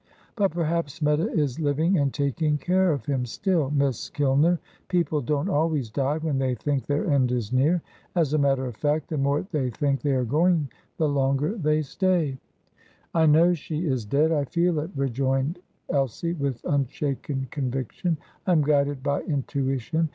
"But perhaps Meta is living and taking care of him still, Miss Kilner. People don't always die when they think their end is near. As a matter of fact, the more they think they are going the longer they stay." "I know she is dead I feel it," rejoined Elsie, with unshaken conviction. "I am guided by intuition.